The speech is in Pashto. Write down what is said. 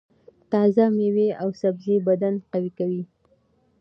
تازه مېوې او سبزۍ بدن قوي کوي.